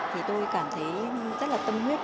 thì tôi cảm thấy rất là tâm huyết